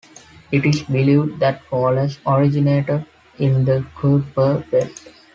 It is believed that Pholus originated in the Kuiper belt.